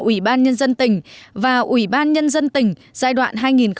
ủy ban nhân dân tỉnh và ủy ban nhân dân tỉnh giai đoạn hai nghìn tám hai nghìn một mươi sáu